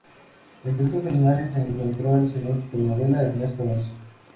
Entre estos personajes se encontraba el señor telenovela, Ernesto Alonso.